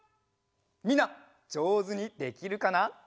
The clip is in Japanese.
みんなじょうずにできるかな？